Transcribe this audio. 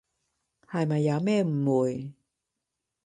係咪有咩誤會？